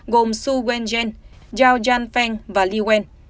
gồm su wenjen zhao jianfeng và li wen